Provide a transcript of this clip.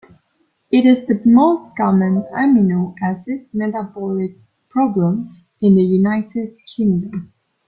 It is the most common amino acid metabolic problem in the United Kingdom.